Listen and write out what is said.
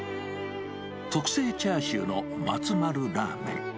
特製チャーシューのマツマルラーメン。